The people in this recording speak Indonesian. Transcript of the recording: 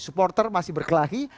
supporter masih berkelahi